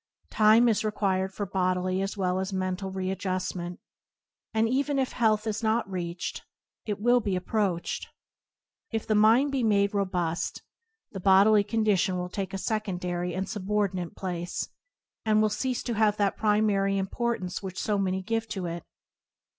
Time is required for bodily as well as mental read justment, and even if health is not reached, it will be approached. If the mind be made robust, the bodily condition will take a secondary and subor dinate place, and will cease to have that pri mary importance which so many give to it.